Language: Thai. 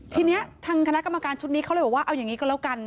ทีนี้ทางคณะกรรมการชุดนี้เขาเลยบอกว่าเอาอย่างนี้ก็แล้วกัน